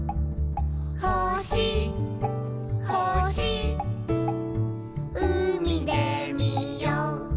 「ほしほしうみでみよう」